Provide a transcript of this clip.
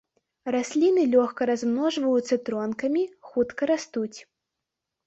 Расліны лёгка размножваюцца тронкамі, хутка растуць.